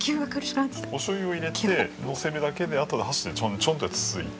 おしょうゆ入れてのせるだけで後で箸でちょんちょんってつついて。